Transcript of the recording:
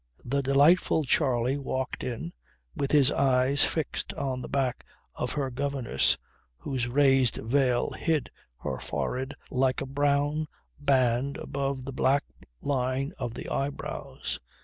The delightful Charley walked in, with his eyes fixed on the back of her governess whose raised veil hid her forehead like a brown band above the black line of the eyebrows.